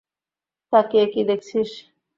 তাকিয়ে কি দেখছিস?